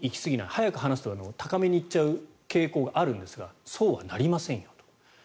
速く離すと高めに行っちゃう傾向があるんですがそうはなりませんよと。